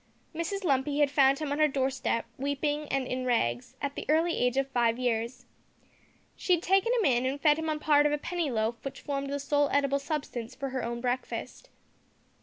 Mrs Lumpy had found him on her door step, weeping and in rags, at the early age of five years. She had taken him in, and fed him on part of a penny loaf which formed the sole edible substance for her own breakfast.